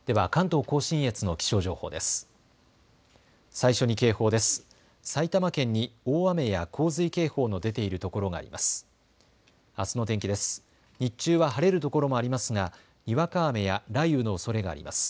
埼玉県に大雨や洪水警報の出ている所があります。